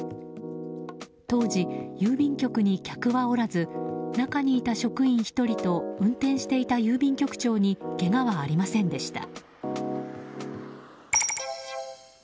当時、郵便局に客はおらず中にいた職員１人と運転していた郵便局長にけがはありませんでした。